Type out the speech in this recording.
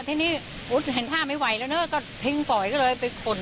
ทีนี้เห็นท่าไม่ไหวแล้วเนอะก็ทิ้งปล่อยก็เลยไปขน